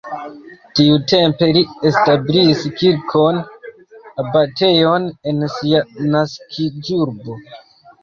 Tiutempe li establis kirkon, abatejon en sia naskiĝurbo.